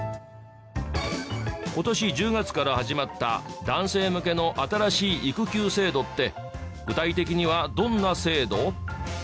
今年１０月から始まった男性向けの新しい育休制度って具体的にはどんな制度？